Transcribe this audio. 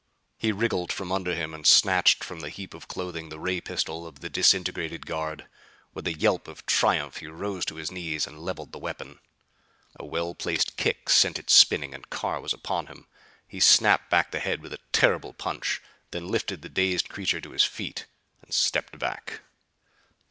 He wriggled from under him and snatched from the heap of clothing the ray pistol of the disintegrated guard. With a yelp of triumph he rose to his knees and leveled the weapon. A well placed kick sent it spinning and Carr was upon him. He snapped back the head with a terrible punch; then lifted the dazed creature to his feet and stepped back.